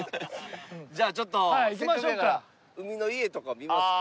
じゃあちょっとせっかくやから海の家とか見ますか？